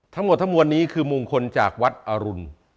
ทั้งหมดทั้งมวลนี้คือมงคลจากวัดอรุณ